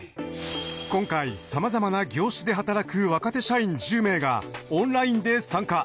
今回さまざまな業種で働く若手社員１０名がオンラインで参加。